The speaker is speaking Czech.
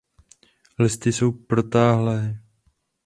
Listy jsou protáhlé.